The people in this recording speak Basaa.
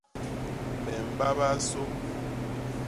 Me mbabaa sô.